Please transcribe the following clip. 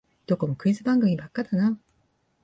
どこもクイズ番組ばっかだなあ